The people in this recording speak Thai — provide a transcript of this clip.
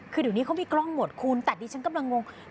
คือเดี๋ยวนี้เขามีกล้องหมดคุณแต่ดิฉันกำลังงง